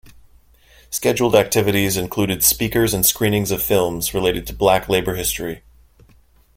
Scheduled activities included speakers and screenings of films related to Black labor history.